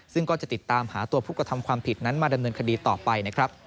ซึ่งก็จะติดตามหาตัวผู้กระทำความผิดนั้นมาดำเนินคดีต่อไปนะครับ